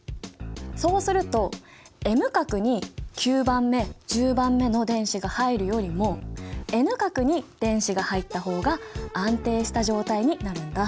そうするとＭ殻に９番目１０番目の電子が入るよりもＮ殻に電子が入った方が安定した状態になるんだ。